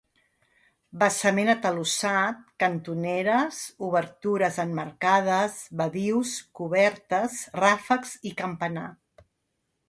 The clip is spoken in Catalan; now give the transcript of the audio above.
Basament atalussat, cantoneres, obertures emmarcades, badius, cobertes, ràfecs i campanar.